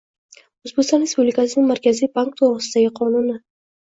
O’zbekiston Respublikasining Markaziy bank to’g’risidagi qonuni